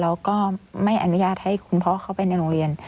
แล้วก็ไม่อนุญาตให้คุณพ่อเข้าไปในโรงเรียน